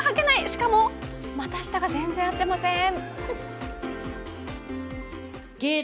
しかも股下が全然合ってませーん。